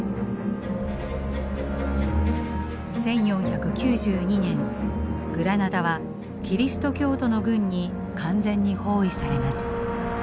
１４９２年グラナダはキリスト教徒の軍に完全に包囲されます。